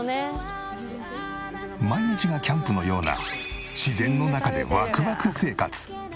毎日がキャンプのような自然の中でワクワク生活。